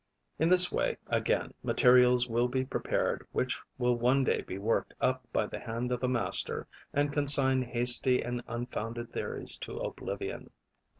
In this way, again, materials will be prepared which will one day be worked up by the hand of a master and consign hasty and unfounded theories to oblivion.